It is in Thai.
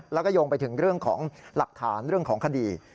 แล้วก็โยงไปถึงเรื่องของหลักฐานเรื่องของคดี